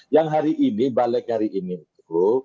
yang hari ini balik hari ini itu